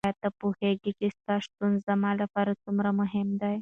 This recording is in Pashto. ایا ته پوهېږې چې ستا شتون زما لپاره څومره مهم دی؟